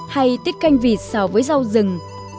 hay tiết canh vịt xào với rau rừng